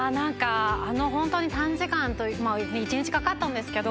本当に短時間一日かかったんですけど。